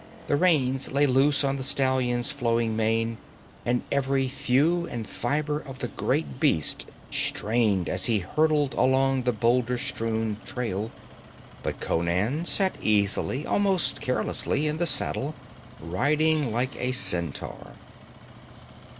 The reins lay loose on the stallion's flowing mane, and every thew and fiber of the great beast strained as he hurtled along the boulder strewn trail. But Conan sat easily, almost carelessly, in the saddle, riding like a centaur.